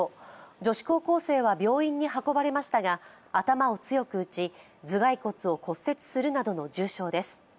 女子高校生は、病院に運ばれましたが頭を強く打ち頭蓋骨を骨折するなどの重傷です。